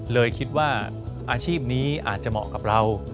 เลยคิดว่าอาชีพนี้อาจจะเหมาะกับเรา